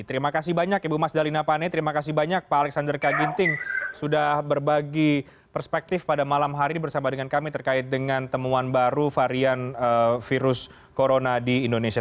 terima kasih banyak ibu mas dalina pane terima kasih banyak pak alexander kaginting sudah berbagi perspektif pada malam hari bersama dengan kami terkait dengan temuan baru varian virus corona di indonesia